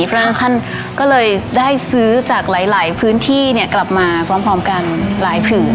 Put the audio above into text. เพราะฉะนั้นก็เลยได้ซื้อจากหลายพื้นที่เนี่ยกลับมาพร้อมกันหลายผืน